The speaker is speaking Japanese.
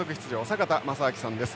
坂田正彰さんです。